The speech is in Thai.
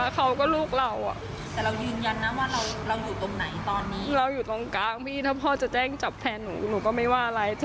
ส่วนแฟนจะแจ้งจับหนูก็ไม่ว่าอะไร